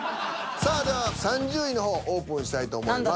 さあでは３０位の方オープンしたいと思います。